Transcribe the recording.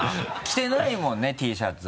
着てないもんねＴシャツ。